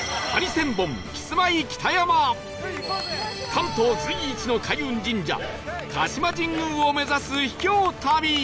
関東随一の開運神社鹿島神宮を目指す秘境旅